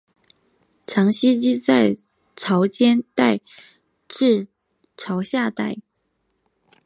常栖息在潮间带至潮下带。